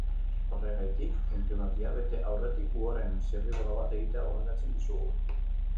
Horregatik, inprimakia bete aurretik Word-en zirriborro bat egitea gomendatzen dizugu.